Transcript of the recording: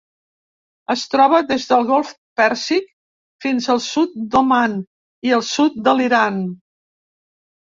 Es troba des del Golf Pèrsic fins al sud d'Oman i el sud de l'Iran.